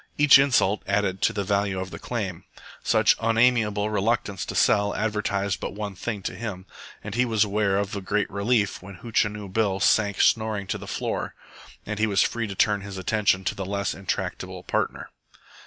Each insult added to the value of the claim. Such unamiable reluctance to sell advertised but one thing to him, and he was aware of a great relief when Hootchinoo Bill sank snoring to the floor, and he was free to turn his attention to his less intractable partner.